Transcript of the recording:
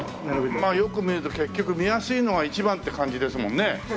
まあよく見ると結局見やすいのが一番って感じですもんね